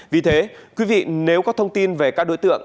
vì thế quý vị nếu có thông tin về các đối tượng